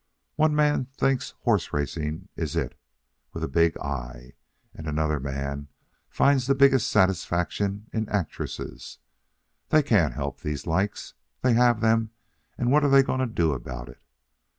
One man thinks horse racing is It, with a big I, and another man finds the biggest satisfaction in actresses. They can't help these likes. They have them, and what are they going to do about it?